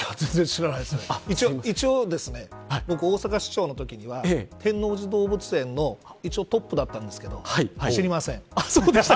一応、僕大阪市長のときには天王寺動物園の一応トップだったんですけど知りません。